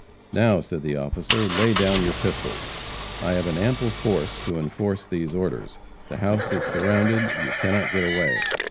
"Now," said the officer, "lay down your pistols. I have an ample force to enforce these orders. The house is surrounded; you cannot get away."